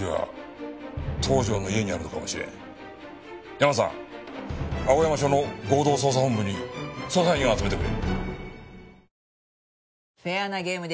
ヤマさん青山署の合同捜査本部に捜査員を集めてくれ。